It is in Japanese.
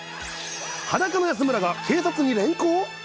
裸の安村が警察に連行？